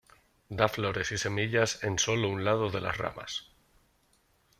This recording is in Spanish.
Da flores y semillas en solo un lado de las ramas.